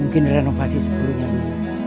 mungkin renovasi sebelumnya dulu